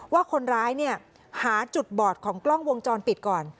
ว่าคนร้ายเนี่ยหาจุดบอดของกล้องวงจรปิดก่อน